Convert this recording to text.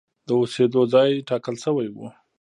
د اوسېدو ځای ټاکل شوی و.